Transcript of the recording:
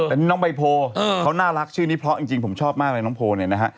อันนี้น้องใบโพเขาน่ารักชื่อนี้เพราะจริงผมชอบมากเลยน้องโพลเนี่ยนะฮะ